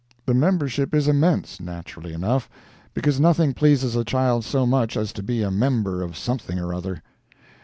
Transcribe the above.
The membership is immense, naturally enough, because nothing pleases a child so much as to be a member of something or other.